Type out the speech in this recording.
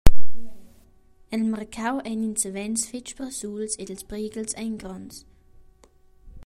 El marcau ein ins savens fetg persuls ed ils prighels ein gronds.